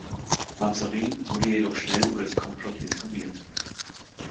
Mazarin wurde jedoch schnell über das Komplott informiert.